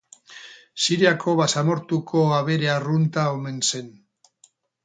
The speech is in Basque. Siriako basamortuko abere arrunta omen zen.